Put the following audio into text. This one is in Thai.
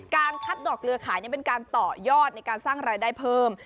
การคัดดอกเรือขายเป็นการต่อยอดในการสร้างรายได้เพิ่ม